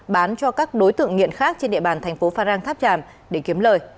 bán cho các đối tượng nghiện khác trên địa bàn thành phố phan rang tháp tràm để kiếm lời